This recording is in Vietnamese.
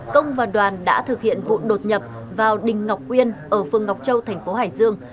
công và đoàn đã thực hiện vụ đột nhập vào đình ngọc uyên ở phương ngọc châu thành phố hải dương